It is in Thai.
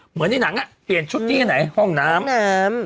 เหมือนในหนังอ่ะเปลี่ยนชุดที่ไหนห้องน้ำ